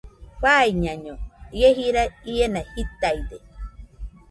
Faiñaño, ie jira iena jitaide